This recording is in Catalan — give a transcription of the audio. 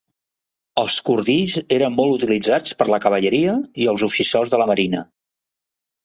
Els cordills eren molt utilitzats per la cavalleria i els oficials de la marina.